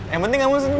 yang penting kamu senyum